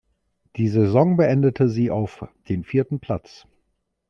Die Saison beendete sie auf den vierten Platz.